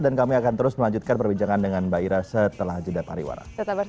dan kami akan terus melanjutkan perbincangan dengan mbak ira setelah jeda pariwara